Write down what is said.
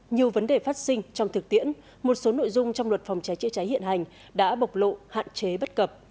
nhiều vấn đề phát sinh trong thực tiễn một số nội dung trong luật phòng cháy chữa cháy hiện hành đã bộc lộ hạn chế bất cập